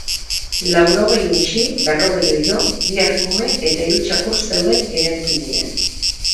Laurogei untxi, berrogei oilo, bi arkume eta hiru txakur zeuden eraikinean.